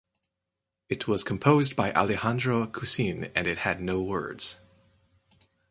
It was composed by Alejandro Cousin and it had no words.